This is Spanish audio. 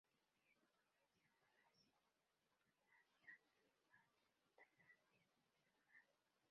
India, Indonesia, Malasia, Birmania, Nepal, Tailandia y Vietnam.